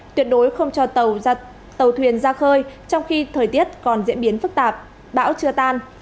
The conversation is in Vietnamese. tuyệt đối không cho tàu thuyền ra khơi trong khi thời tiết còn diễn biến phức tạp bão chưa tan